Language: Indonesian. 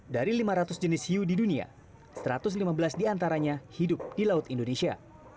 dari lima ratus jenis hiu di dunia satu ratus lima belas diantaranya hidup di laut indonesia